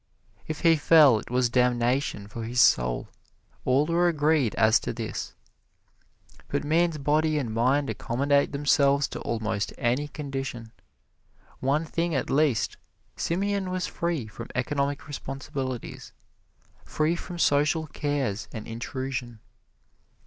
If he fell, it was damnation for his soul all were agreed as to this. But man's body and mind accommodate themselves to almost any condition. One thing at least, Simeon was free from economic responsibilities, free from social cares and intrusion.